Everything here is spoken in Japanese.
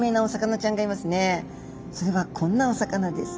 それはこんなお魚です。